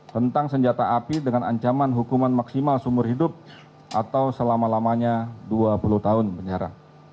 tentang senjata api dengan ancaman hukuman maksimal seumur hidup atau selama lamanya dua puluh tahun penjara